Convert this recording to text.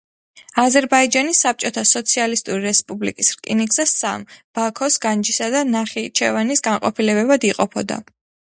აზერბაიჯანის საბჭოთა სოციალისტური რესპუბლიკის რკინიგზა სამ: ბაქოს, განჯისა და ნახიჩევანის განყოფილებებად იყოფოდა.